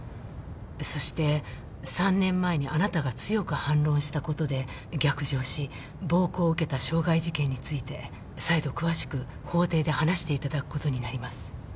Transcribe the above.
そして３年前にあなたが強く反論したことで逆上し暴行を受けた傷害事件について再度詳しく法廷で話していただくことになります。